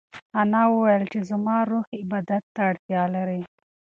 انا وویل چې زما روح عبادت ته اړتیا لري.